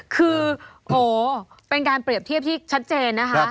คือโหเป็นการเปรียบเทียบที่ชัดเจนนะคะ